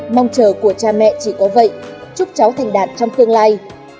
mong chờ của cha mẹ chỉ có vậy chúc cháu thành đạt trong tương lai